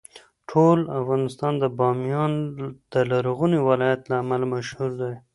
ټول افغانستان د بامیان د لرغوني ولایت له امله مشهور دی.